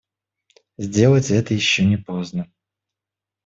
Сделать это еще не поздно.